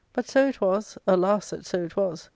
But so it was — alas that so it was !